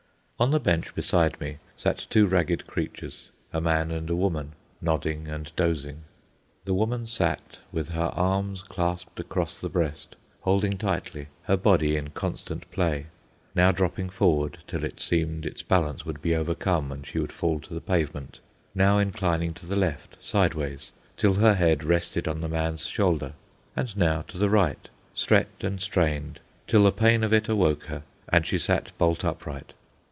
On the bench beside me sat two ragged creatures, a man and a woman, nodding and dozing. The woman sat with her arms clasped across the breast, holding tightly, her body in constant play—now dropping forward till it seemed its balance would be overcome and she would fall to the pavement; now inclining to the left, sideways, till her head rested on the man's shoulder; and now to the right, stretched and strained, till the pain of it awoke her and she sat bolt upright.